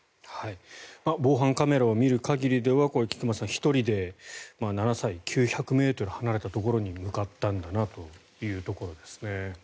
防犯カメラを見る限りではこれ、菊間さん、１人で７歳、９００ｍ離れたところに向かったんだなというところですね。